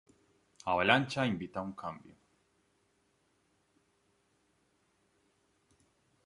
Avalancha invita a un cambio.